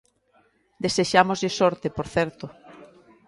Desexámoslle sorte, por certo.